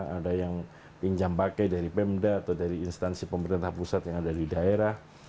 ada yang pinjam pakai dari pemda atau dari instansi pemerintah pusat yang ada di daerah